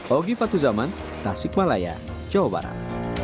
ogi fatuzaman tasik malaya jawa barat